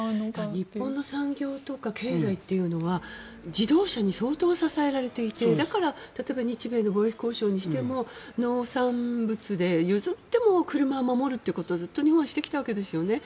日本の産業とか経済というのは自動車に相当支えられていてだから、例えば日米の貿易交渉にしても農産物で譲っても車を守るということをずっと日本はしてきたわけですよね。